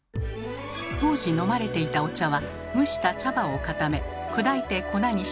当時飲まれていたお茶は蒸した茶葉を固め砕いて粉にし煮出したもの。